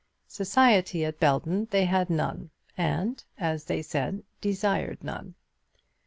Society at Belton they had none, and, as they said, desired none.